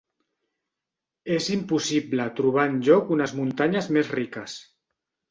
Es impossible trobar enlloc unes muntanyes més riques.